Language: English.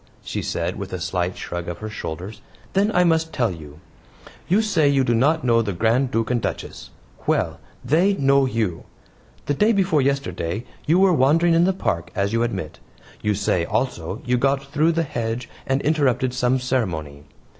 she said, with a slight shrug of her shoulders. "Then I must tell you. You say you do not know the Grand Duke and Duchess. Well! THEY KNOW YOU. The day before yesterday you were wandering in the park, as you admit. You say, also, you got through the hedge and interrupted some ceremony.